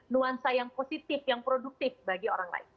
nuansa yang positif yang produktif bagi orang lain